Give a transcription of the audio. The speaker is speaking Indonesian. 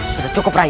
sudah cukup rai